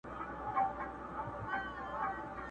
چي لاسونه ماتوم د زورورو!